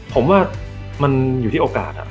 ผมว่ามันอยู่ที่โอกาส